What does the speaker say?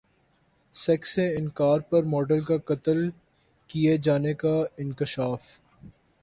sex سے انکار پر ماڈل کا قتل کیے جانے کا انکشاف